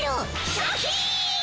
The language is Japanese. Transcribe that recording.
シャキン！